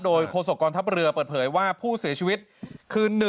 โดยโฆษกองทัพเรือเปิดเผยว่าผู้เสียชีวิตคือ